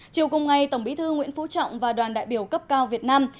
chiều cùng ngày tổng bí thư nguyễn phú trọng và đoàn đại biểu cấp cao việt nam